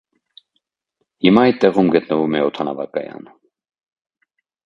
Հիմա այդ տեղում գտնվում է օդանավակայան։